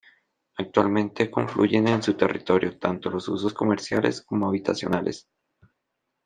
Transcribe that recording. Actualmente confluyen en su territorio tanto los usos comerciales como habitacionales.